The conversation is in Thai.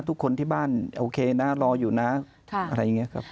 ทุกคนที่บ้านโอเคนะรออยู่นะอะไรอย่างนี้ครับ